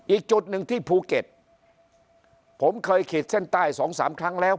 อีกจุดหนึ่งที่ภูเก็ตผมเคยขีดเส้นใต้สองสามครั้งแล้ว